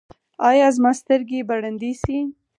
ایا زما سترګې به ړندې شي؟